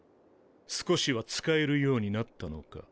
少しは使えるようになったのか？